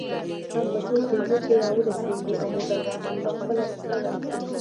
هم په څو شیبو کې را ورسېږي او موټروانان به خپله حصه واخلي.